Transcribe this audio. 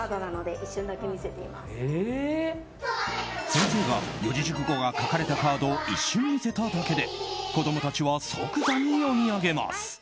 先生が四字熟語が書かれたカードを一瞬見せただけで子供たちは即座に読み上げます。